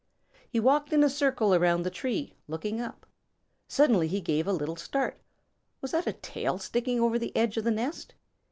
He walked in a circle around the tree, looking up. Suddenly he gave a little start. Was that a tail sticking over the edge of the nest?